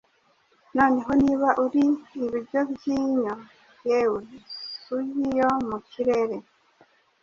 Noneho niba uri ibiryo byinyo, yewe isugi yo mu kirere